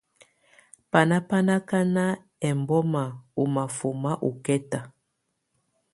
Báná bá ákáná ɛlbɔ́má ɔ́ máfɔ́má ɔ́kɛta.